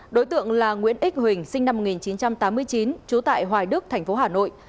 đối tượng là nguyễn ích huỳnh sinh năm một nghìn chín trăm tám mươi chín trú tại hoài đức thành phố hà nội